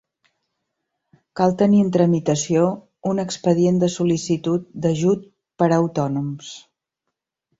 Cal tenir en tramitació un expedient de sol·licitud d'ajut per a autònoms.